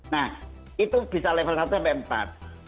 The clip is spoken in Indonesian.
nah itu bisa level satu sampai empat